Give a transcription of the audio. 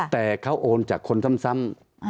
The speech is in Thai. แต่เขาโอนจากคนซ้ำ